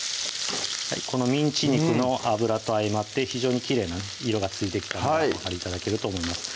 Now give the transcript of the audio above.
このミンチ肉の脂と相まって非常にきれいな色がついてきたのがお分かり頂けると思います